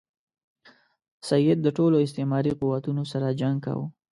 سید د ټولو استعماري قوتونو سره جنګ کاوه.